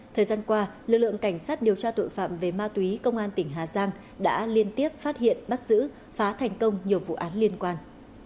thời gian qua lực lượng cảnh sát điều tra tội phạm về ma túy công an tỉnh hà giang đã liên tiếp phát hiện bắt giữ phá thành công nhiều vụ án liên quan